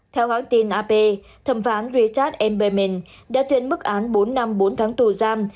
theo hóa tin ap thẩm phán richard m berman đã tuyên mức án bốn năm bốn tháng tù giam